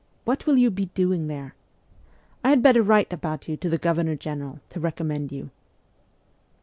What will you be doing there ? I had better write about you to the Governor General, to recommend you.'